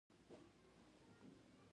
چار مغز د افغان کلتور په داستانونو کې راځي.